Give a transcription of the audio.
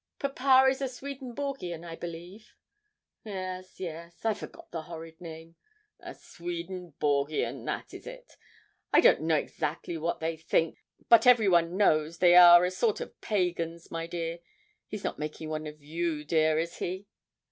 'Papa is a Swedenborgian, I believe.' 'Yes, yes I forgot the horrid name a Swedenborgian, that is it. I don't know exactly what they think, but everyone knows they are a sort of pagans, my dear. He's not making one of you, dear is he?'